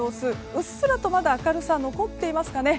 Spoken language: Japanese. うっすらと、まだ明るさが残っていますかね。